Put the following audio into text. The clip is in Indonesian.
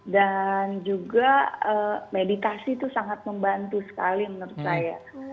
dan juga meditasi tuh sangat membantu sekali menurut saya